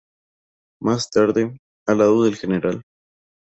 Los hay de tipo axial, lineal y circular.